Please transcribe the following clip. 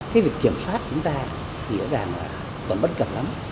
cái việc kiểm soát chúng ta thì hiểu rằng là còn bất cập lắm